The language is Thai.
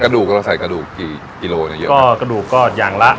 ดูเราใส่กระดูกกี่กิโลเนี่ยเยอะก็กระดูกก็อย่างละ